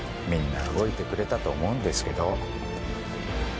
みんな動いてくれたと思うんですけど。